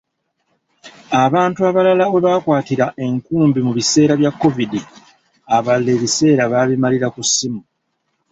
Abantu abalala we baakwatira enkumbi mu biseera bya Kovidi, abalala ebiseera baabimalira ku masimu.